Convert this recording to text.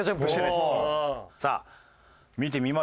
さあ見てみましょう。